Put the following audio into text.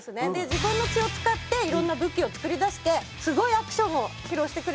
自分の血を使っていろんな武器を作り出してすごいアクションを披露してくれるんです。